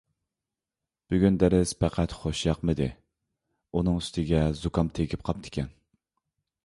بۈگۈن دەرس پەقەت خۇشياقمىدى، ئۇنىڭ ئۈستىگە زۇكام تېگىپ قاپتىكەن.